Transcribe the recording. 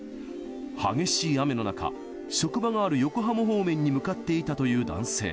激しい雨の中、職場がある横浜方面に向かっていたという男性。